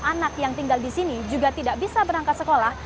anak yang tinggal di sini juga tidak bisa berangkat sekolah